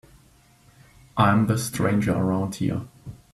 I'm the stranger around here.